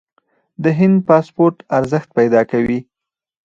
د هند پاسپورت ارزښت پیدا کوي.